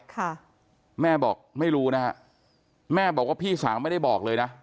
ค่ะแม่บอกไม่รู้นะฮะแม่บอกว่าพี่สาวไม่ได้บอกเลยนะ